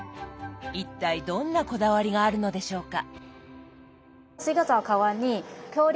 一体どんなこだわりがあるのでしょうか。